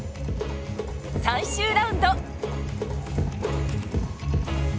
最終ラウンド。